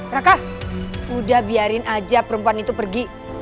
raka udah biarin aja perempuan itu pergi